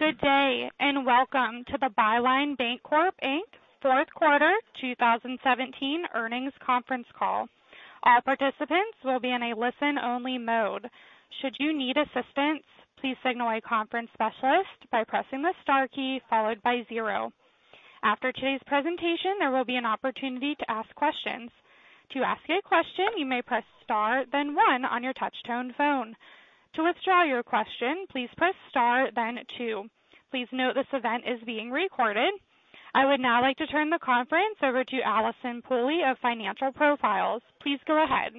Good day. Welcome to the Byline Bancorp, Inc. fourth quarter 2017 earnings conference call. All participants will be in a listen only mode. Should you need assistance, please signal a conference specialist by pressing the star key followed by zero. After today's presentation, there will be an opportunity to ask questions. To ask a question, you may press star then one on your touchtone phone. To withdraw your question, please press star then two. Please note this event is being recorded. I would now like to turn the conference over to Allyson Pooley of Financial Profiles. Please go ahead.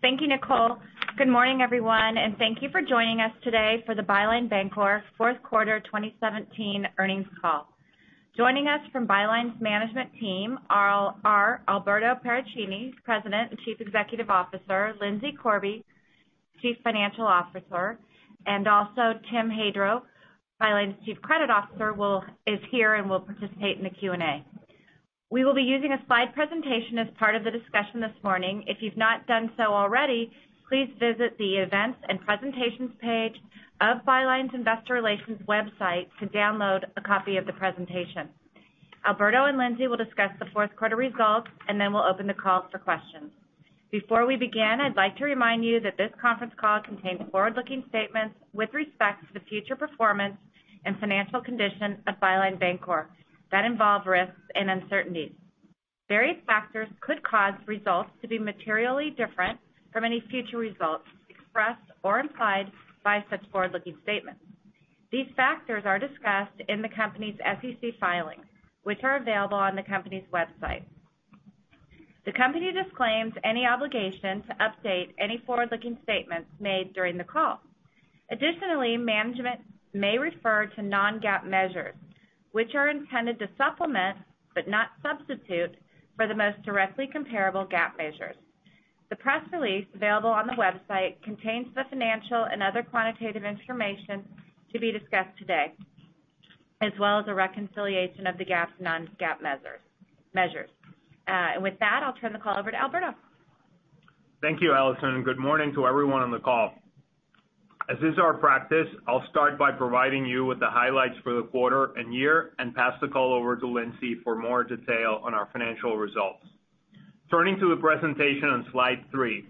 Thank you, Nicole. Good morning, everyone. Thank you for joining us today for the Byline Bancorp fourth quarter 2017 earnings call. Joining us from Byline's management team are Alberto Paracchini, President and Chief Executive Officer, Lindsay Corby, Chief Financial Officer. Also Tim Hadro, Byline's Chief Credit Officer, is here and will participate in the Q&A. We will be using a slide presentation as part of the discussion this morning. If you've not done so already, please visit the Events and Presentations page of Byline's Investor Relations website to download a copy of the presentation. Alberto and Lindsay will discuss the fourth quarter results. Then we'll open the call for questions. Before we begin, I'd like to remind you that this conference call contains forward-looking statements with respect to the future performance and financial condition of Byline Bancorp that involve risks and uncertainties. Various factors could cause results to be materially different from any future results expressed or implied by such forward-looking statements. These factors are discussed in the company's SEC filings, which are available on the company's website. The company disclaims any obligation to update any forward-looking statements made during the call. Additionally, management may refer to non-GAAP measures, which are intended to supplement, but not substitute, for the most directly comparable GAAP measures. The press release available on the website contains the financial and other quantitative information to be discussed today, as well as a reconciliation of the GAAP's non-GAAP measures. With that, I'll turn the call over to Alberto. Thank you, Allyson. Good morning to everyone on the call. As is our practice, I'll start by providing you with the highlights for the quarter and year, and pass the call over to Lindsey for more detail on our financial results. Turning to the presentation on slide three.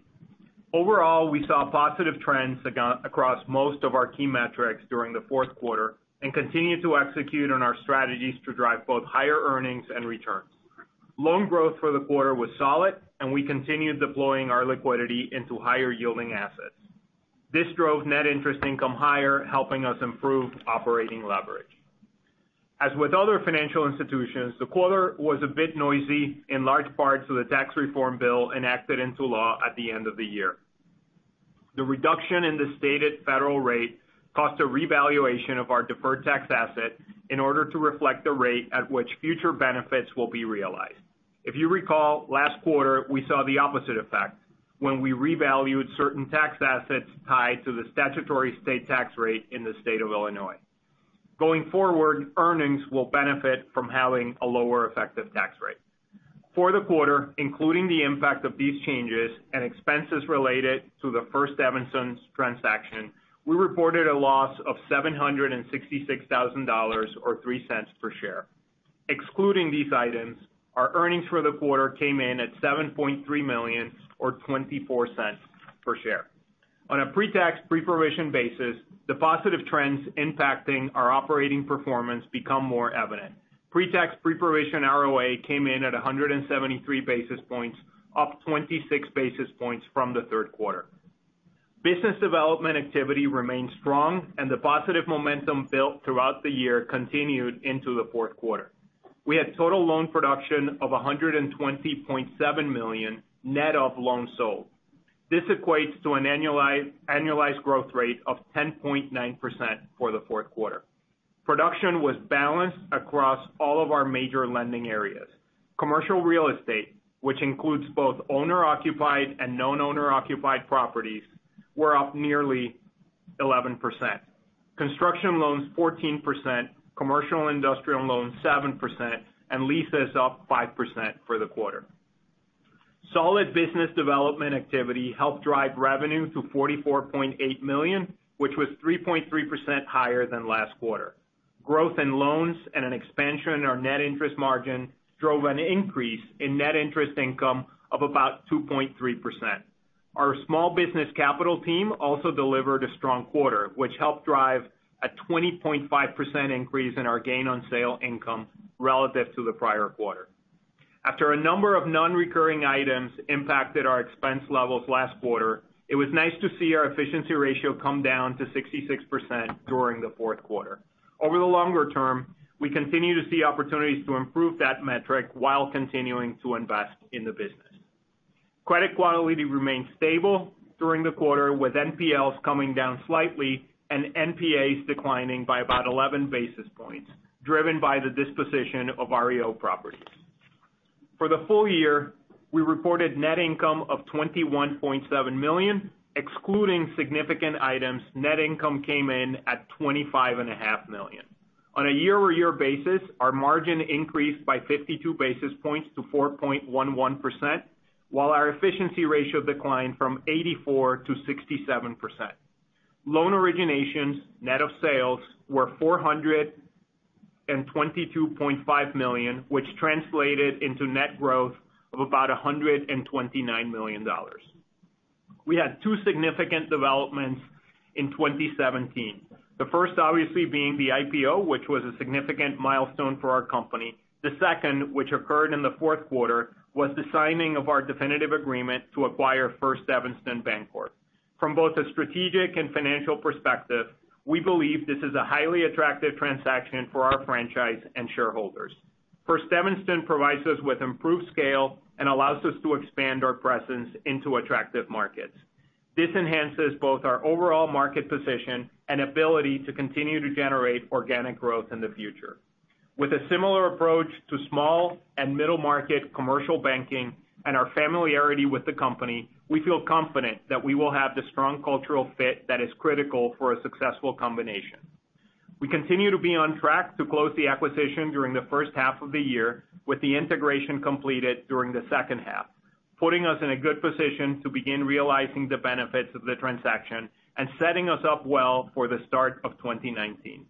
Overall, we saw positive trends across most of our key metrics during the fourth quarter and continue to execute on our strategies to drive both higher earnings and returns. Loan growth for the quarter was solid. We continued deploying our liquidity into higher yielding assets. This drove net interest income higher, helping us improve operating leverage. As with other financial institutions, the quarter was a bit noisy in large part to the tax reform bill enacted into law at the end of the year. The reduction in the stated federal rate caused a revaluation of our deferred tax asset in order to reflect the rate at which future benefits will be realized. If you recall, last quarter, we saw the opposite effect when we revalued certain tax assets tied to the statutory state tax rate in the state of Illinois. Going forward, earnings will benefit from having a lower effective tax rate. For the quarter, including the impact of these changes and expenses related to the First Evanston transaction, we reported a loss of $766,000, or $0.03 per share. Excluding these items, our earnings for the quarter came in at $7.3 million, or $0.24 per share. On a pre-tax, pre-provision basis, the positive trends impacting our operating performance become more evident. Pre-tax, pre-provision ROA came in at 173 basis points, up 26 basis points from the third quarter. Business development activity remained strong. The positive momentum built throughout the year continued into the fourth quarter. We had total loan production of $120.7 million net of loans sold. This equates to an annualized growth rate of 10.9% for the fourth quarter. Production was balanced across all of our major lending areas. Commercial real estate, which includes both owner-occupied and non-owner occupied properties, were up nearly 11%. Construction loans 14%, commercial industrial loans 7%, and leases up 5% for the quarter. Solid business development activity helped drive revenue to $44.8 million, which was 3.3% higher than last quarter. Growth in loans and an expansion in our net interest margin drove an increase in net interest income of about 2.3%. Our small business capital team also delivered a strong quarter, which helped drive a 20.5% increase in our gain on sale income relative to the prior quarter. After a number of non-recurring items impacted our expense levels last quarter, it was nice to see our efficiency ratio come down to 66% during the fourth quarter. Over the longer term, we continue to see opportunities to improve that metric while continuing to invest in the business. Credit quality remained stable during the quarter with NPLs coming down slightly and NPAs declining by about 11 basis points, driven by the disposition of REO properties. For the full year, we reported net income of $21.7 million. Excluding significant items, net income came in at $25.5 million. On a year-over-year basis, our margin increased by 52 basis points to 4.11%, while our efficiency ratio declined from 84% to 67%. Loan originations net of sales were $422.5 million, which translated into net growth of about $129 million. We had two significant developments in 2017. The first, obviously being the IPO, which was a significant milestone for our company. The second, which occurred in the fourth quarter, was the signing of our definitive agreement to acquire First Evanston Bancorp. From both a strategic and financial perspective, we believe this is a highly attractive transaction for our franchise and shareholders. First Evanston provides us with improved scale and allows us to expand our presence into attractive markets. This enhances both our overall market position and ability to continue to generate organic growth in the future. With a similar approach to small and middle market commercial banking and our familiarity with the company, we feel confident that we will have the strong cultural fit that is critical for a successful combination. We continue to be on track to close the acquisition during the first half of the year, with the integration completed during the second half, putting us in a good position to begin realizing the benefits of the transaction and setting us up well for the start of 2019.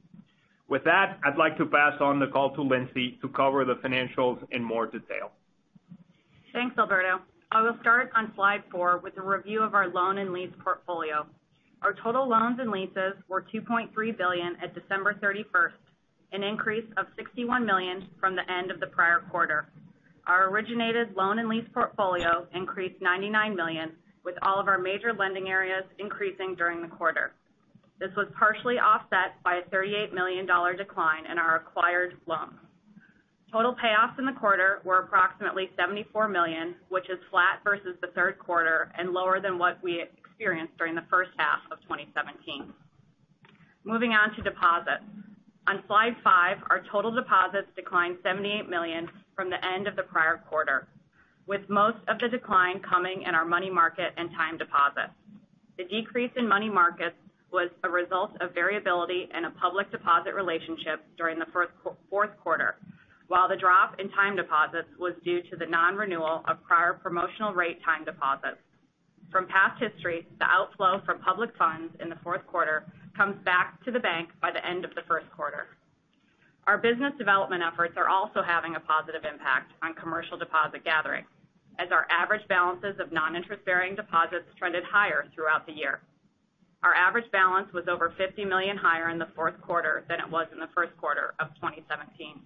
With that, I'd like to pass on the call to Lindsay to cover the financials in more detail. Thanks, Alberto. I will start on slide four with a review of our loan and lease portfolio. Our total loans and leases were $2.3 billion at December 31st, an increase of $61 million from the end of the prior quarter. Our originated loan and lease portfolio increased $99 million, with all of our major lending areas increasing during the quarter. This was partially offset by a $38 million decline in our acquired loans. Total payoffs in the quarter were approximately $74 million, which is flat versus the third quarter and lower than what we experienced during the first half of 2017. Moving on to deposits. On slide five, our total deposits declined $78 million from the end of the prior quarter, with most of the decline coming in our money market and time deposits. The decrease in money markets was a result of variability in a public deposit relationship during the fourth quarter, while the drop in time deposits was due to the non-renewal of prior promotional rate time deposits. From past history, the outflow from public funds in the fourth quarter comes back to the bank by the end of the first quarter. Our business development efforts are also having a positive impact on commercial deposit gathering, as our average balances of non-interest bearing deposits trended higher throughout the year. Our average balance was over $50 million higher in the fourth quarter than it was in the first quarter of 2017.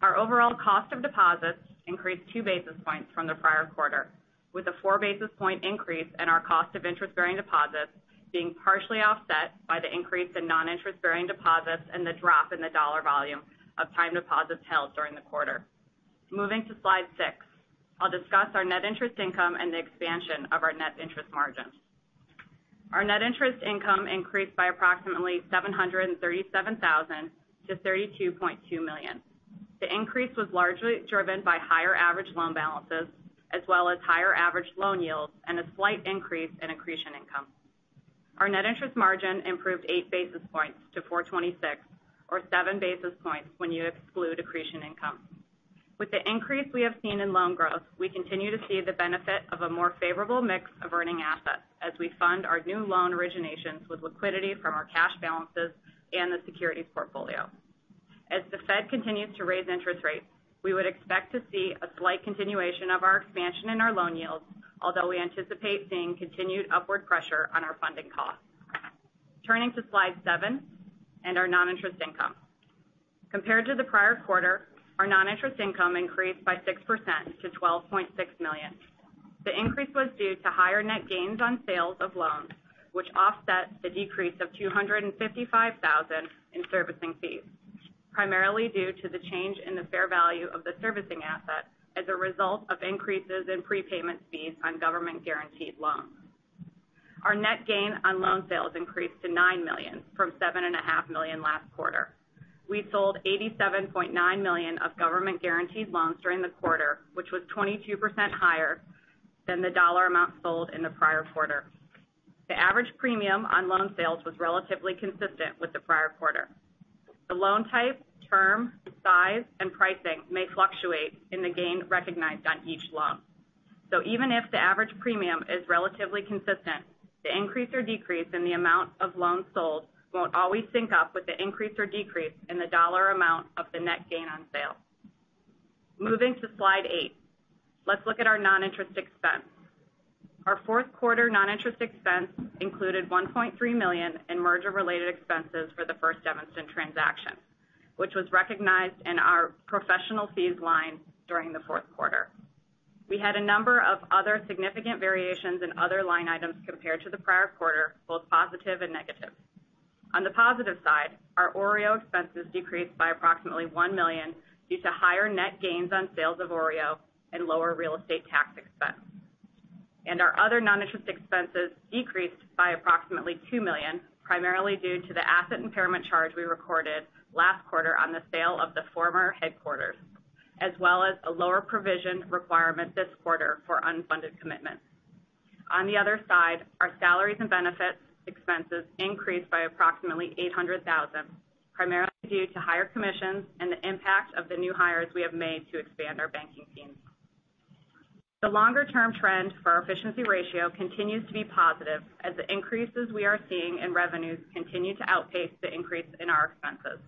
Our overall cost of deposits increased two basis points from the prior quarter, with a four basis point increase in our cost of interest-bearing deposits being partially offset by the increase in non-interest bearing deposits and the drop in the dollar volume of time deposits held during the quarter. Moving to slide six, I'll discuss our net interest income and the expansion of our net interest margin. Our net interest income increased by approximately $737,000 to $32.2 million. The increase was largely driven by higher average loan balances, as well as higher average loan yields and a slight increase in accretion income. Our net interest margin improved eight basis points to 426 or seven basis points when you exclude accretion income. With the increase we have seen in loan growth, we continue to see the benefit of a more favorable mix of earning assets as we fund our new loan originations with liquidity from our cash balances and the securities portfolio. As the Fed continues to raise interest rates, we would expect to see a slight continuation of our expansion in our loan yields, although we anticipate seeing continued upward pressure on our funding costs. Turning to slide seven and our non-interest income. Compared to the prior quarter, our non-interest income increased by 6% to $12.6 million. The increase was due to higher net gains on sales of loans, which offset the decrease of $255,000 in servicing fees, primarily due to the change in the fair value of the servicing assets as a result of increases in prepayment fees on government-guaranteed loans. Our net gain on loan sales increased to $9 million from $7.5 million last quarter. We sold $87.9 million of government guaranteed loans during the quarter, which was 22% higher than the dollar amount sold in the prior quarter. The average premium on loan sales was relatively consistent with the prior quarter. The loan type, term, size, and pricing may fluctuate in the gain recognized on each loan. Even if the average premium is relatively consistent, the increase or decrease in the amount of loans sold won't always sync up with the increase or decrease in the dollar amount of the net gain on sale. Moving to slide eight, let's look at our non-interest expense. Our fourth quarter non-interest expense included $1.3 million in merger related expenses for the First Evanston transaction, which was recognized in our professional fees line during the fourth quarter. We had a number of other significant variations in other line items compared to the prior quarter, both positive and negative. On the positive side, our OREO expenses decreased by approximately $1 million due to higher net gains on sales of OREO and lower real estate tax expense. Our other non-interest expenses decreased by approximately $2 million, primarily due to the asset impairment charge we recorded last quarter on the sale of the former headquarters, as well as a lower provision requirement this quarter for unfunded commitments. On the other side, our salaries and benefits expenses increased by approximately $800,000, primarily due to higher commissions and the impact of the new hires we have made to expand our banking team. The longer-term trend for our efficiency ratio continues to be positive as the increases we are seeing in revenues continue to outpace the increase in our expenses.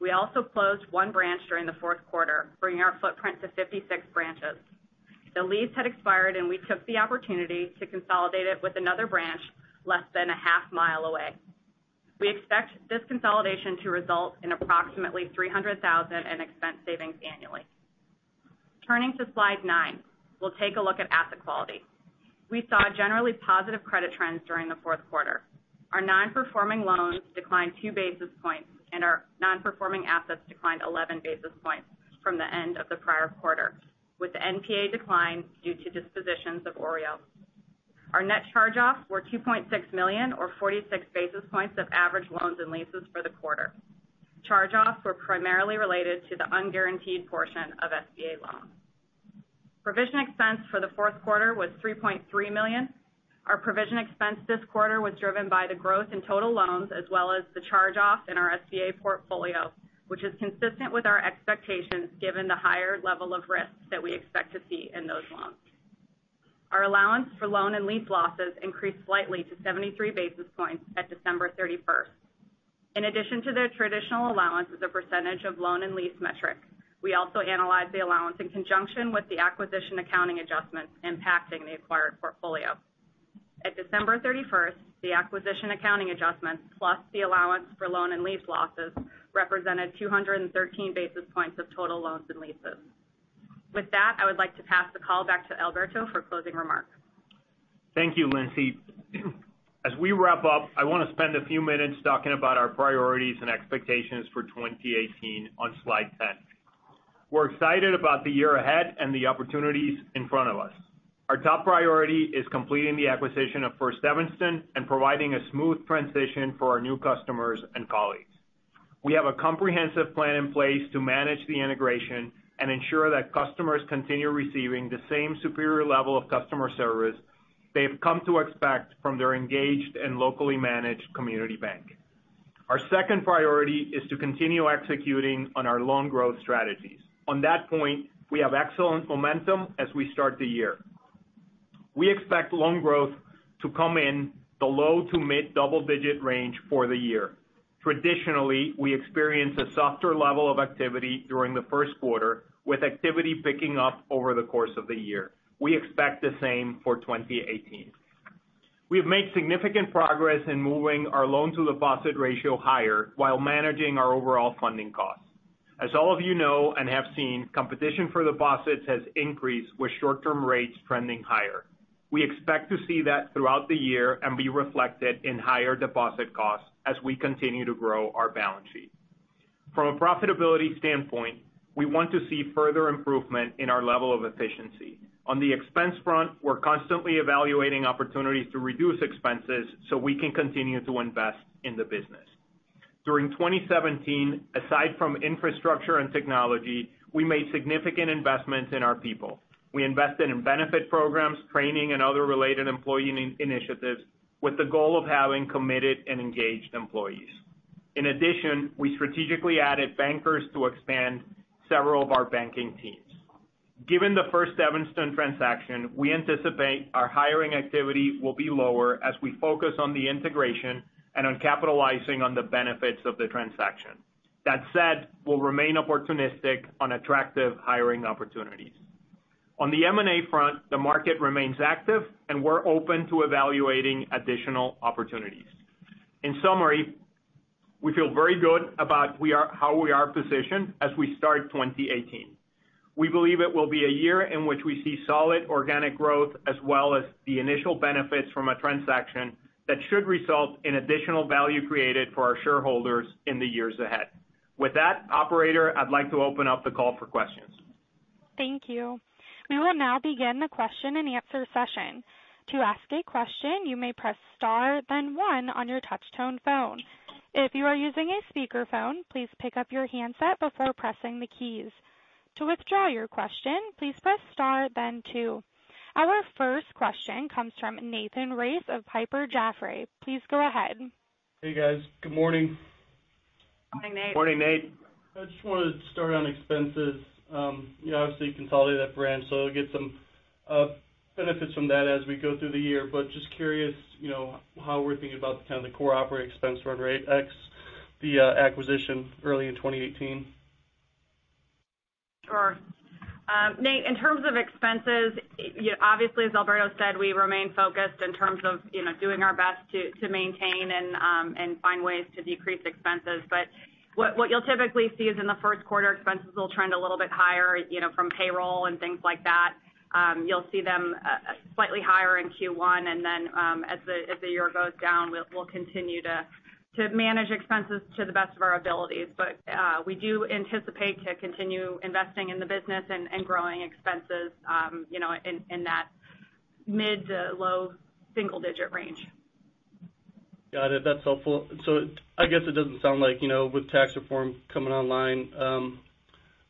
We also closed one branch during the fourth quarter, bringing our footprint to 56 branches. The lease had expired, and we took the opportunity to consolidate it with another branch less than a half mile away. We expect this consolidation to result in approximately $300,000 in expense savings annually. Turning to slide nine, we'll take a look at asset quality. We saw generally positive credit trends during the fourth quarter. Our non-performing loans declined two basis points, and our non-performing assets declined 11 basis points from the end of the prior quarter, with the NPA decline due to dispositions of OREO. Our net charge-offs were $2.6 million or 46 basis points of average loans and leases for the quarter. Charge-offs were primarily related to the unguaranteed portion of SBA loans. Provision expense for the fourth quarter was $3.3 million. Our provision expense this quarter was driven by the growth in total loans as well as the charge-offs in our SBA portfolio, which is consistent with our expectations given the higher level of risk that we expect to see in those loans. Our allowance for loan and lease losses increased slightly to 73 basis points at December 31st. In addition to the traditional allowance as a percentage of loan and lease metric, we also analyzed the allowance in conjunction with the acquisition accounting adjustments impacting the acquired portfolio. At December 31st, the acquisition accounting adjustments, plus the allowance for loan and lease losses, represented 213 basis points of total loans and leases. With that, I would like to pass the call back to Alberto for closing remarks. Thank you, Lindsey. As we wrap up, I want to spend a few minutes talking about our priorities and expectations for 2018 on slide 10. We're excited about the year ahead and the opportunities in front of us. Our top priority is completing the acquisition of First Evanston and providing a smooth transition for our new customers and colleagues. We have a comprehensive plan in place to manage the integration and ensure that customers continue receiving the same superior level of customer service they've come to expect from their engaged and locally managed community bank. Our second priority is to continue executing on our loan growth strategies. On that point, we have excellent momentum as we start the year. We expect loan growth to come in the low to mid double-digit range for the year. Traditionally, we experience a softer level of activity during the first quarter, with activity picking up over the course of the year. We expect the same for 2018. We've made significant progress in moving our loan-to-deposit ratio higher while managing our overall funding costs. As all of you know and have seen, competition for deposits has increased with short-term rates trending higher. We expect to see that throughout the year and be reflected in higher deposit costs as we continue to grow our balance sheet. From a profitability standpoint, we want to see further improvement in our level of efficiency. On the expense front, we're constantly evaluating opportunities to reduce expenses so we can continue to invest in the business. During 2017, aside from infrastructure and technology, we made significant investments in our people. We invested in benefit programs, training, and other related employee initiatives with the goal of having committed and engaged employees. In addition, we strategically added bankers to expand several of our banking teams. Given the First Evanston transaction, we anticipate our hiring activity will be lower as we focus on the integration and on capitalizing on the benefits of the transaction. That said, we'll remain opportunistic on attractive hiring opportunities. On the M&A front, the market remains active, and we're open to evaluating additional opportunities. In summary, we feel very good about how we are positioned as we start 2018. We believe it will be a year in which we see solid organic growth as well as the initial benefits from a transaction that should result in additional value created for our shareholders in the years ahead. With that, operator, I'd like to open up the call for questions. Thank you. We will now begin the question and answer session. To ask a question, you may press star then one on your touch tone phone. If you are using a speakerphone, please pick up your handset before pressing the keys. To withdraw your question, please press star then two. Our first question comes from Nathan Race of Piper Jaffray. Please go ahead. Hey, guys. Good morning. Morning, Nate. Morning, Nate. I just wanted to start on expenses. You obviously consolidated that branch, so you'll get some benefits from that as we go through the year, but just curious how we're thinking about the core operating expense run rate ex the acquisition early in 2018. Sure. Nate, in terms of expenses, obviously, as Alberto said, we remain focused in terms of doing our best to maintain and find ways to decrease expenses. What you'll typically see is in the first quarter, expenses will trend a little bit higher from payroll and things like that. You'll see them slightly higher in Q1. As the year goes down, we'll continue to manage expenses to the best of our abilities. We do anticipate to continue investing in the business and growing expenses in that mid to low single-digit range. Got it. That's helpful. I guess it doesn't sound like with tax reform coming online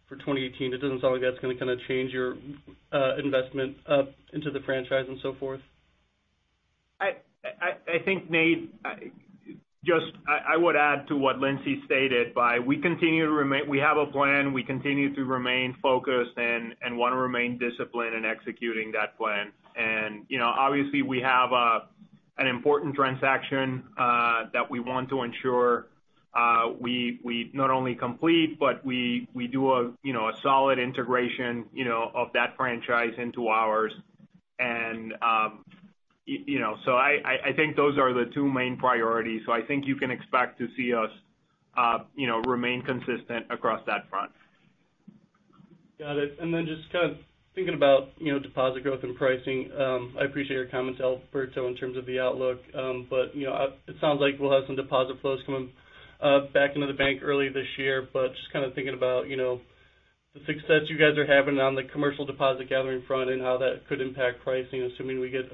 for 2018, it doesn't sound like that's going to change your investment into the franchise and so forth. I think, Nate, just I would add to what Lindsey stated by we have a plan, we continue to remain focused and want to remain disciplined in executing that plan. Obviously we have an important transaction that we want to ensure we not only complete, but we do a solid integration of that franchise into ours. I think those are the two main priorities. I think you can expect to see us remain consistent across that front. Got it. Just kind of thinking about deposit growth and pricing. I appreciate your comments, Alberto, in terms of the outlook. It sounds like we'll have some deposit flows coming back into the bank early this year. Just kind of thinking about the success you guys are having on the commercial deposit gathering front and how that could impact pricing, assuming we get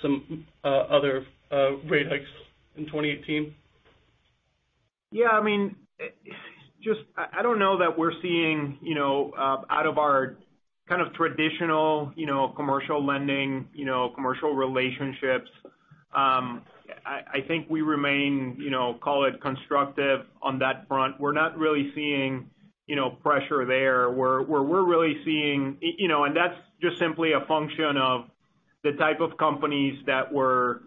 some other rate hikes in 2018. Yeah, I don't know that we're seeing out of our kind of traditional commercial lending, commercial relationships. I think we remain, call it constructive on that front. We're not really seeing pressure there. Where we're really seeing, and that's just simply a function of the type of companies that we're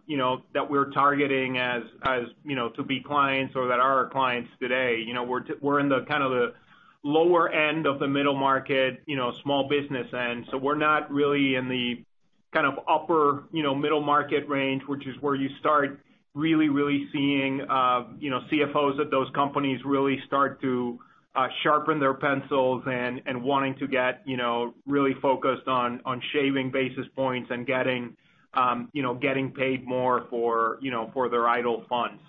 targeting as to be clients or that are our clients today. We're in the kind of the lower end of the middle market, small business end. We're not really in the kind of upper middle market range, which is where you start really seeing CFOs at those companies really start to sharpen their pencils and wanting to get really focused on shaving basis points and getting paid more for their idle funds.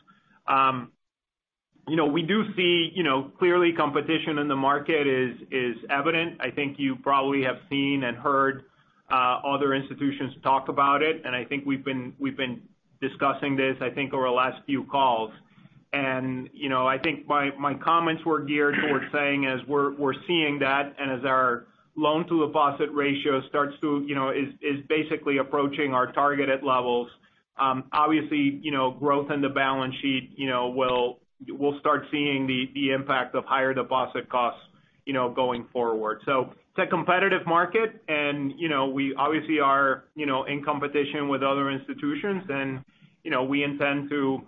We do see clearly competition in the market is evident. I think you probably have seen and heard other institutions talk about it. I think we've been discussing this I think over the last few calls. I think my comments were geared towards saying as we're seeing that and as our loan-to-deposit ratio is basically approaching our targeted levels. Obviously, growth in the balance sheet, we'll start seeing the impact of higher deposit costs going forward. It's a competitive market and we obviously are in competition with other institutions and we intend to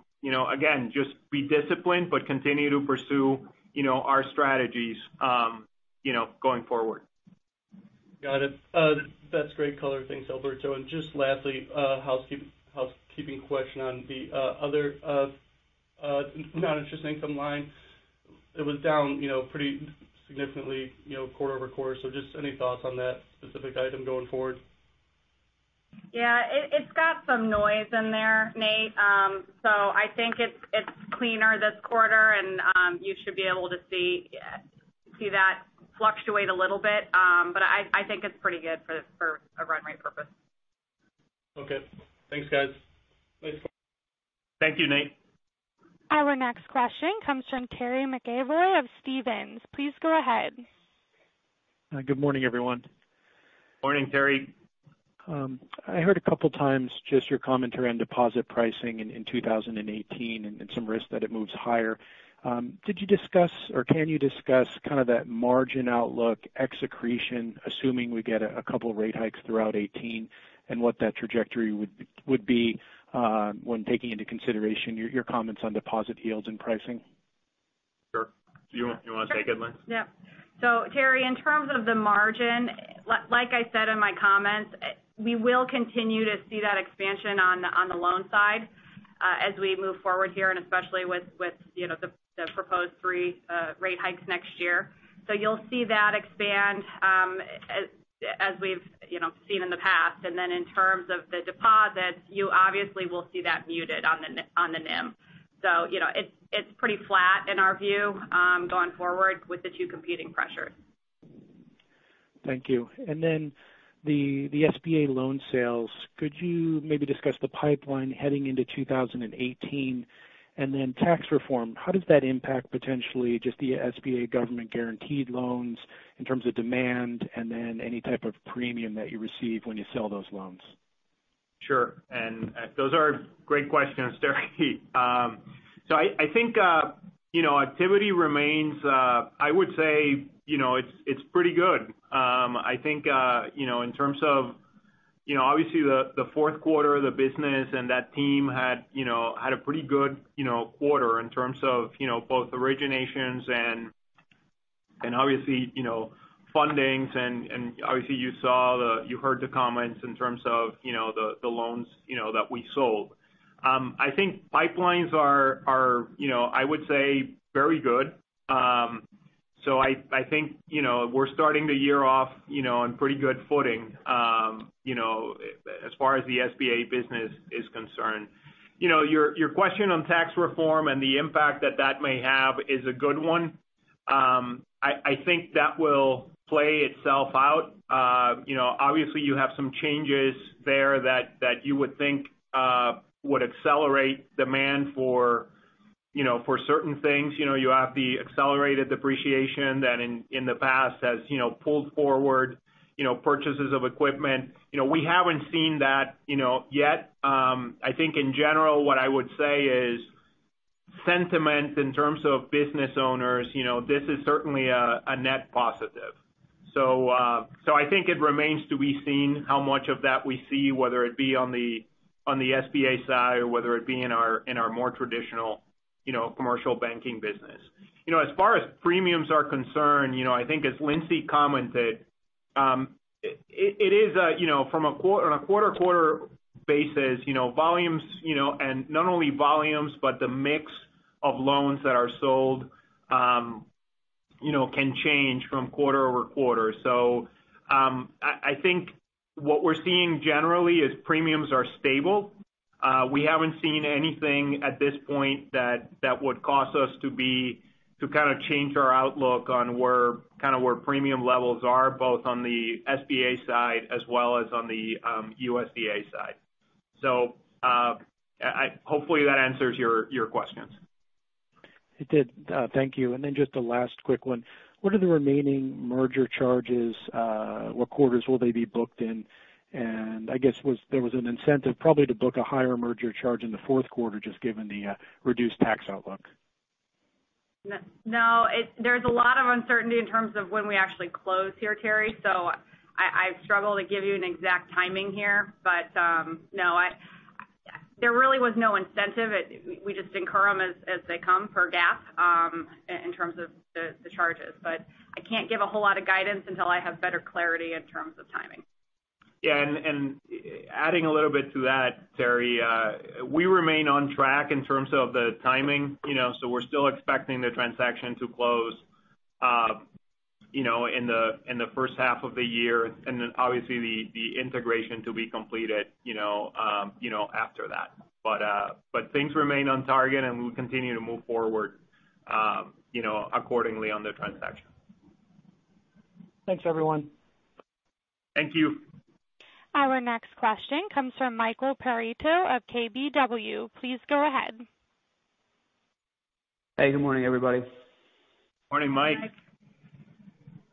again, just be disciplined but continue to pursue our strategies going forward. Got it. That's great color. Thanks, Alberto. Just lastly, a housekeeping question on the other non-interest income line. It was down pretty significantly quarter-over-quarter. Just any thoughts on that specific item going forward? Yeah, it's got some noise in there, Nate. I think it's cleaner this quarter and you should be able to see that fluctuate a little bit. I think it's pretty good for a runway purpose. Okay, thanks guys. Thank you, Nate. Our next question comes from Terry McEvoy of Stephens. Please go ahead. Good morning, everyone. Morning, Terry. I heard a couple times just your commentary on deposit pricing in 2018 and some risks that it moves higher. Did you discuss, or can you discuss kind of that margin outlook, ex accretion, assuming we get a couple rate hikes throughout 2018 and what that trajectory would be when taking into consideration your comments on deposit yields and pricing? Sure. Do you want to take it, Linds? Sure. Yep. Terry, in terms of the margin, like I said in my comments, we will continue to see that expansion on the loan side as we move forward here and especially with the proposed three rate hikes next year. You'll see that expand as we've seen in the past. In terms of the deposits, you obviously will see that muted on the NIM. It's pretty flat in our view going forward with the two competing pressures. Thank you. The SBA loan sales, could you maybe discuss the pipeline heading into 2018? Tax reform, how does that impact potentially just the SBA government guaranteed loans in terms of demand, and any type of premium that you receive when you sell those loans? Sure. Those are great questions, Terry. I think activity remains, I would say it's pretty good. I think in terms of obviously the fourth quarter of the business and that team had a pretty good quarter in terms of both originations and obviously fundings and obviously you heard the comments in terms of the loans that we sold. I think pipelines are, I would say, very good. I think we're starting the year off on pretty good footing as far as the SBA business is concerned. Your question on tax reform and the impact that that may have is a good one I think that will play itself out. Obviously, you have some changes there that you would think would accelerate demand for certain things. You have the accelerated depreciation that in the past has pulled forward purchases of equipment. We haven't seen that yet. I think in general, what I would say is sentiment in terms of business owners, this is certainly a net positive. I think it remains to be seen how much of that we see, whether it be on the SBA side or whether it be in our more traditional commercial banking business. As far as premiums are concerned, I think as Lindsay commented, on a quarter-to-quarter basis, not only volumes, but the mix of loans that are sold can change from quarter-over-quarter. I think what we're seeing generally is premiums are stable. We haven't seen anything at this point that would cause us to change our outlook on where premium levels are, both on the SBA side as well as on the USDA side. Hopefully that answers your questions. It did. Thank you. Then just the last quick one. What are the remaining merger charges? What quarters will they be booked in? I guess there was an incentive probably to book a higher merger charge in the fourth quarter, just given the reduced tax outlook. No. There's a lot of uncertainty in terms of when we actually close here, Terry, I struggle to give you an exact timing here. No, there really was no incentive. We just incur them as they come per GAAP in terms of the charges. I can't give a whole lot of guidance until I have better clarity in terms of timing. Adding a little bit to that, Terry, we remain on track in terms of the timing. We're still expecting the transaction to close in the first half of the year obviously the integration to be completed after that. Things remain on target, we'll continue to move forward accordingly on the transaction. Thanks, everyone. Thank you. Our next question comes from Michael Perito of KBW. Please go ahead. Hey, good morning, everybody. Morning, Mike.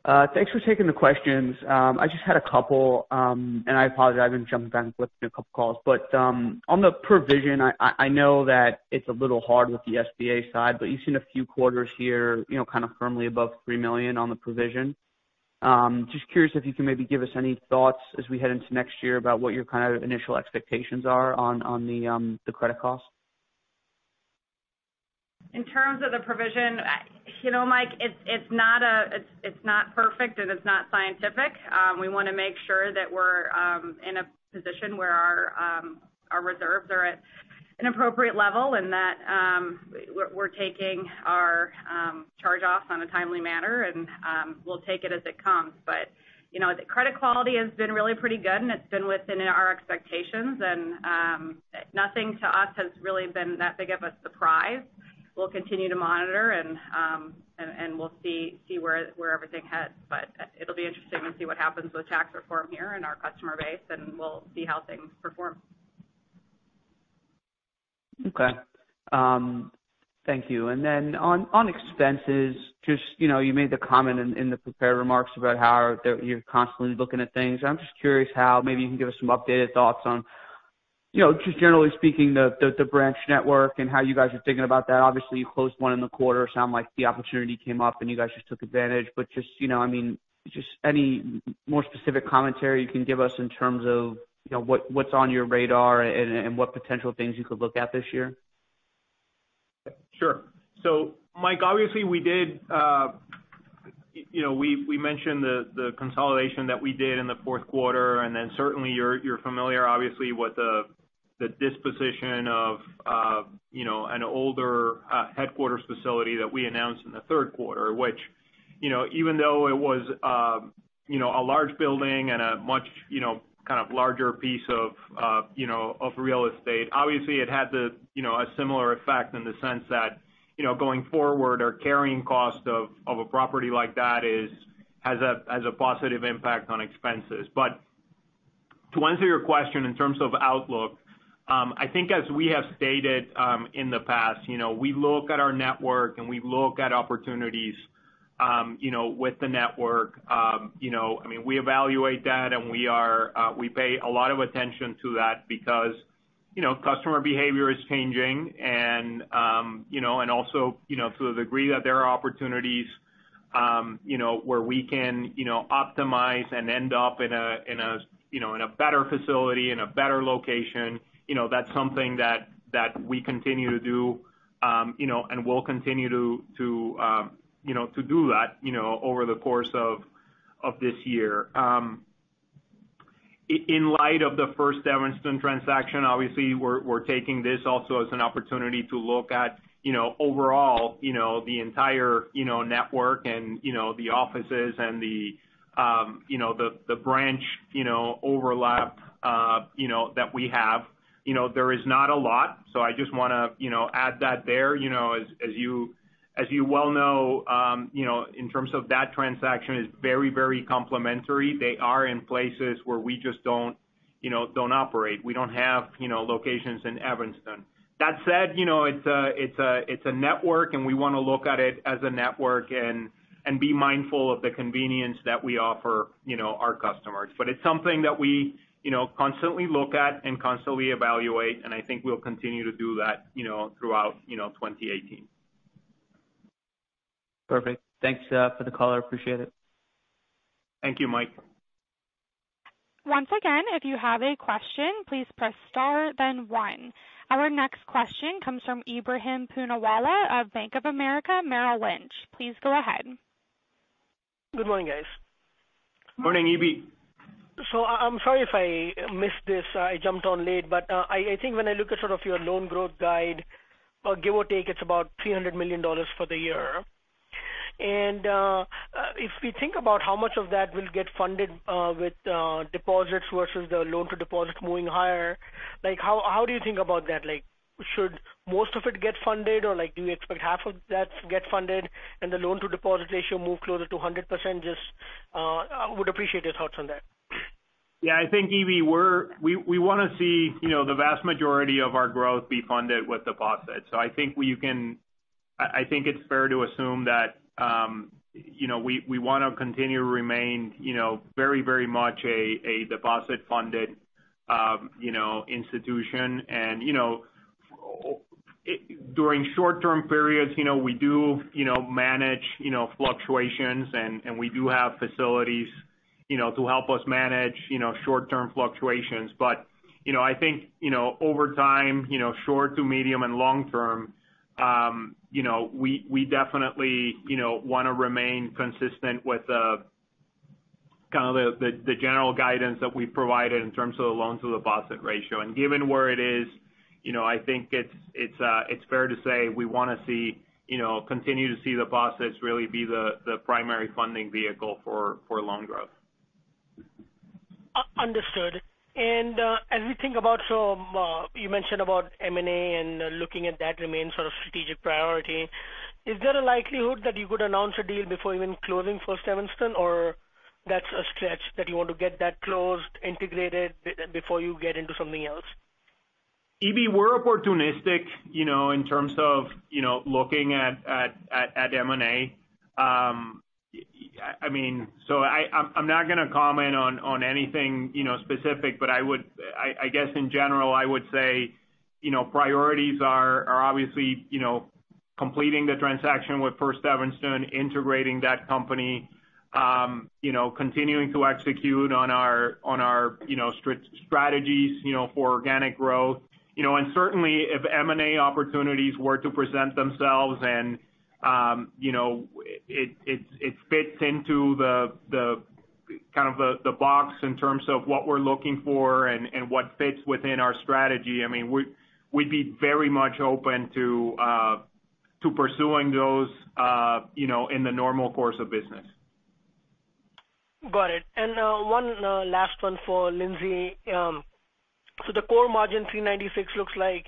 Mike. Thanks for taking the questions. I just had a couple, and I apologize, I've been jumping back and forth between a couple of calls. On the provision, I know that it's a little hard with the SBA side, you've seen a few quarters here kind of firmly above $3 million on the provision. Just curious if you can maybe give us any thoughts as we head into next year about what your kind of initial expectations are on the credit cost. In terms of the provision, Mike, it's not perfect and it's not scientific. We want to make sure that we're in a position where our reserves are at an appropriate level and that we're taking our charge-offs on a timely manner, and we'll take it as it comes. The credit quality has been really pretty good, and it's been within our expectations. Nothing to us has really been that big of a surprise. We'll continue to monitor and we'll see where everything heads. It'll be interesting to see what happens with tax reform here and our customer base, and we'll see how things perform. Okay. Thank you. On expenses, just you made the comment in the prepared remarks about how you're constantly looking at things. I'm just curious how maybe you can give us some updated thoughts on, just generally speaking, the branch network and how you guys are thinking about that. Obviously, you closed one in the quarter. It sounded like the opportunity came up, and you guys just took advantage. Just any more specific commentary you can give us in terms of what's on your radar and what potential things you could look at this year? Sure. Mike, obviously we mentioned the consolidation that we did in the fourth quarter, and then certainly you're familiar obviously with the disposition of an older headquarters facility that we announced in the third quarter. Which even though it was a large building and a much kind of larger piece of real estate, obviously it had a similar effect in the sense that going forward, our carrying cost of a property like that has a positive impact on expenses. To answer your question in terms of outlook, I think as we have stated in the past, we look at our network and we look at opportunities with the network. We evaluate that and we pay a lot of attention to that because customer behavior is changing and also to the degree that there are opportunities where we can optimize and end up in a better facility, in a better location. That's something that we continue to do and will continue to do that over the course of this year. In light of the First Evanston transaction, obviously we're taking this also as an opportunity to look at overall the entire network and the offices and the branch overlap that we have. There is not a lot. I just want to add that there. As you well know, in terms of that transaction, it's very, very complementary. They are in places where we just don't operate. We don't have locations in Evanston. That said, it's a network, and we want to look at it as a network and be mindful of the convenience that we offer our customers. It's something that we constantly look at and constantly evaluate, and I think we'll continue to do that throughout 2018. Perfect. Thanks for the call. I appreciate it. Thank you, Mike. Once again, if you have a question, please press star then one. Our next question comes from Ebrahim Poonawala of Bank of America Merrill Lynch. Please go ahead. Good morning, guys. Morning, Ebi. I'm sorry if I missed this. I jumped on late. I think when I look at sort of your loan growth guide, give or take, it's about $300 million for the year. If we think about how much of that will get funded with deposits versus the loan-to-deposit moving higher, how do you think about that? Should most of it get funded, or do you expect half of that to get funded and the loan-to-deposit ratio move closer to 100%? Just would appreciate your thoughts on that. Yeah. I think, Ebi, we want to see the vast majority of our growth be funded with deposits. I think it's fair to assume that we want to continue to remain very much a deposit-funded institution. During short-term periods, we do manage fluctuations, and we do have facilities to help us manage short-term fluctuations. I think over time, short to medium and long term we definitely want to remain consistent with kind of the general guidance that we provided in terms of the loan-to-deposit ratio. Given where it is, I think it's fair to say we want to continue to see deposits really be the primary funding vehicle for loan growth. Understood. As we think about you mentioned about M&A and looking at that remain sort of strategic priority. Is there a likelihood that you could announce a deal before even closing First Evanston, or that's a stretch that you want to get that closed, integrated before you get into something else? Ebi, we're opportunistic in terms of looking at M&A. I'm not going to comment on anything specific, but I guess in general, I would say priorities are obviously completing the transaction with First Evanston, integrating that company, continuing to execute on our strategies for organic growth. Certainly if M&A opportunities were to present themselves and it fits into kind of the box in terms of what we're looking for and what fits within our strategy, we'd be very much open to pursuing those in the normal course of business. Got it. One last one for Lindsay. The core margin 3.96% looks like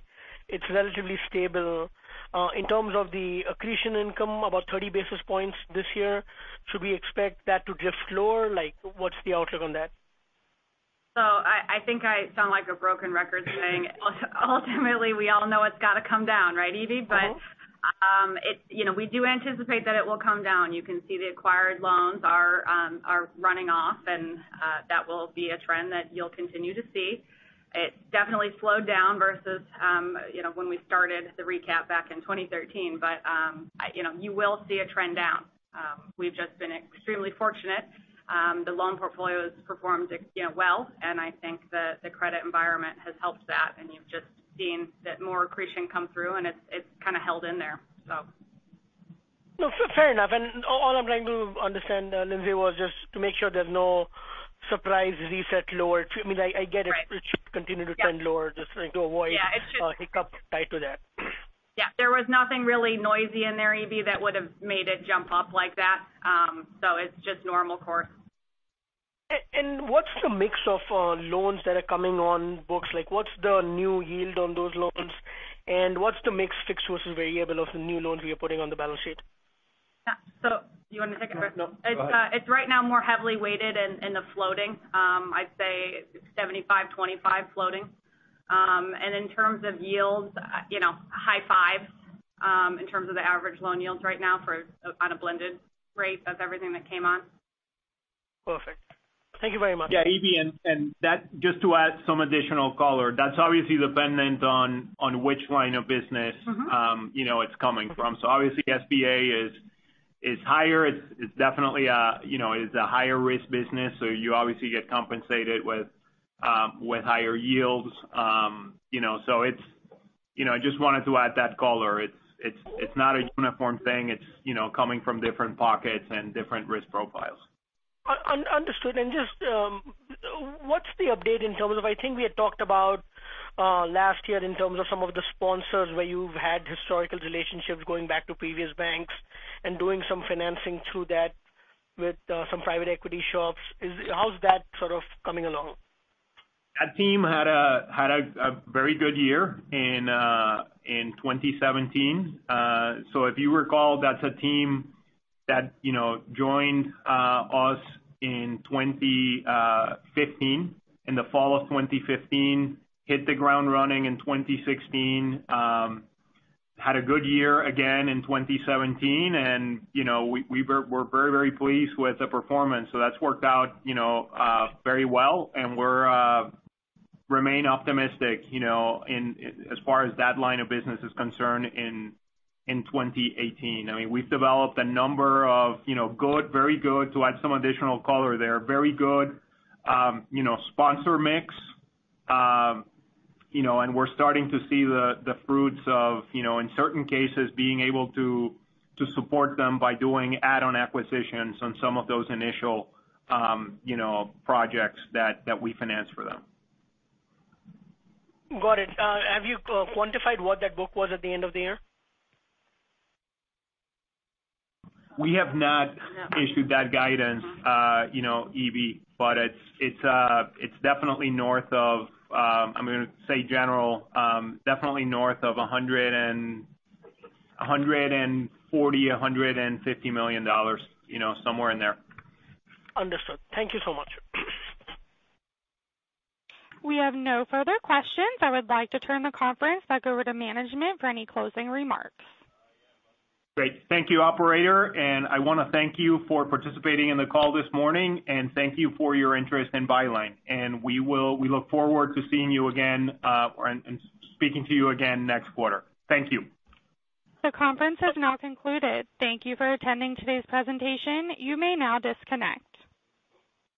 it's relatively stable. In terms of the accretion income, about 30 basis points this year. Should we expect that to drift lower? What's the outlook on that? I think I sound like a broken record saying ultimately, we all know it's got to come down, right, Ebi? We do anticipate that it will come down. You can see the acquired loans are running off, and that will be a trend that you'll continue to see. It definitely slowed down versus when we started the recap back in 2013. You will see a trend down. We've just been extremely fortunate. The loan portfolio has performed well, and I think the credit environment has helped that. You've just seen that more accretion come through, and it's kind of held in there so. No, fair enough. All I'm trying to understand, Lindsay, was just to make sure there's no surprise reset lower. I mean, I get it. Right It should continue to trend lower. Just trying to avoid. Yeah. It should a hiccup tied to that. Yeah. There was nothing really noisy in there, Ebi, that would've made it jump up like that. It's just normal course. What's the mix of loans that are coming on books? What's the new yield on those loans, and what's the mix fixed versus variable of the new loans we are putting on the balance sheet? Yeah. You want me to take it first? No. Go ahead. It's right now more heavily weighted in the floating. I'd say 75/25 floating. In terms of yields, high fives in terms of the average loan yields right now on a blended rate of everything that came on. Perfect. Thank you very much. Yeah, Ebi. Just to add some additional color, that's obviously dependent on which line of. It's coming from. Obviously SBA is higher. It's definitely a higher risk business, you obviously get compensated with higher yields. I just wanted to add that color. It's not a uniform thing. It's coming from different pockets and different risk profiles. Understood. Just what's the update in terms of, I think we had talked about last year in terms of some of the sponsors where you've had historical relationships going back to previous banks and doing some financing through that With some private equity shops. How's that sort of coming along? That team had a very good year in 2017. If you recall, that's a team that joined us in 2015, in the fall of 2015. Hit the ground running in 2016. Had a good year again in 2017. We're very, very pleased with the performance. That's worked out very well, and we remain optimistic as far as that line of business is concerned in 2018. We've developed a number of very good, to add some additional color there, very good sponsor mix. We're starting to see the fruits of, in certain cases, being able to support them by doing add-on acquisitions on some of those initial projects that we finance for them. Got it. Have you quantified what that book was at the end of the year? We have not issued that guidance, Ebi. It's definitely north of, I'm going to say general, definitely north of $140 million, $150 million, somewhere in there. Understood. Thank you so much. We have no further questions. I would like to turn the conference back over to management for any closing remarks. Great. Thank you, operator. I want to thank you for participating in the call this morning, and thank you for your interest in Byline. We look forward to seeing you again, and speaking to you again next quarter. Thank you. The conference has now concluded. Thank you for attending today's presentation. You may now disconnect.